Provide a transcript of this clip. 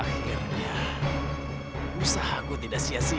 akhirnya usahaku tidak sia sia